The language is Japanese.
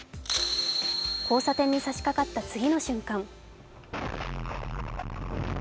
交差点に差しかかった次の瞬間